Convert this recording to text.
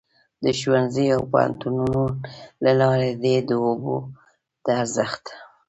د ښوونځیو او پوهنتونونو له لارې دې د اوبو د ارزښت.